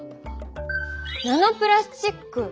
ナノプラスチック。